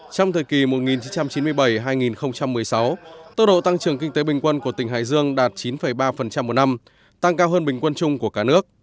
trong thời kỳ một nghìn chín trăm chín mươi bảy hai nghìn một mươi sáu tốc độ tăng trưởng kinh tế bình quân của tỉnh hải dương đạt chín ba một năm tăng cao hơn bình quân chung của cả nước